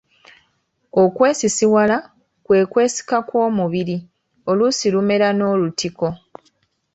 Okwesisiwala kwe kwesika kw’omubiri oluusi lumera n’olutiko.